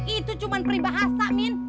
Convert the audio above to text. itu cuma peribahasa min